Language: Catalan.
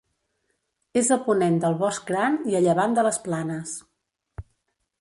És a ponent del Bosc Gran, i a llevant de les Planes.